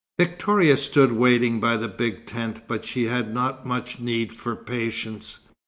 Victoria stood waiting by the big tent, but she had not much need for patience.